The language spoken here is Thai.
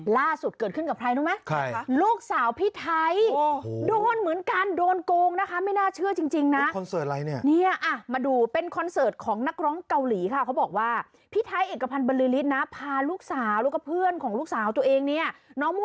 ล่าสุดเกิดขึ้นกับใครรู้ไหมลูกสาวพี่ไทยโอ้โฮ